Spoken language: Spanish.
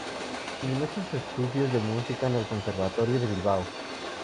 Terminó sus estudios de música en el Conservatorio de Bilbao.